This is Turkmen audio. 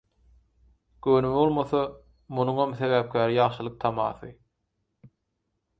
Göwnüme bolmasa, munuňam sebäpkäri ýagşylyk tamasy.